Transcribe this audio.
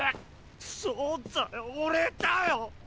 そうだよ俺だよ！